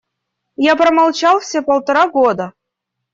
Я промолчал все полтора года.